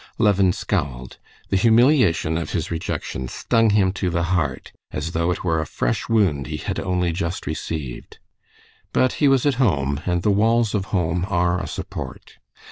Levin scowled. The humiliation of his rejection stung him to the heart, as though it were a fresh wound he had only just received. But he was at home, and the walls of home are a support.